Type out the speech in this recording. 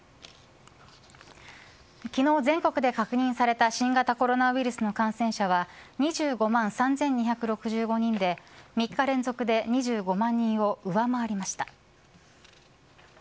昨日全国で確認された新型コロナウイルスの感染者は２５万３２６５人で３日連続で２５万人を上回りました。